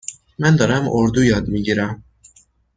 من دارم اردو یاد می گیرم.